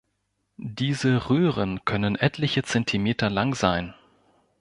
Diese Röhren können etliche Zentimeter lang sein.